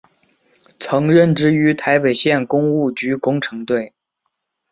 曾任职于台北县工务局工程队。